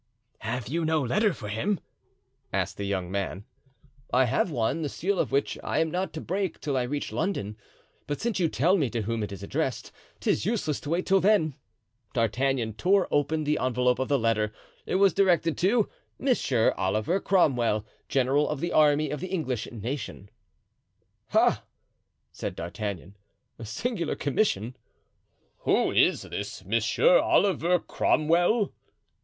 "Have you no letter for him?" asked the young man. "I have one, the seal of which I am not to break till I reach London; but since you tell me to whom it is addressed, 'tis useless to wait till then." D'Artagnan tore open the envelope of the letter. It was directed to "Monsieur Oliver Cromwell, General of the Army of the English Nation." "Ah!" said D'Artagnan; "a singular commission." "Who is this Monsieur Oliver Cromwell?"